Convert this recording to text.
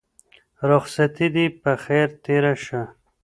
رخصتي دې په خير تېره شه.